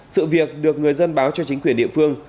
sự việc được người dân báo cho chính quyền địa phương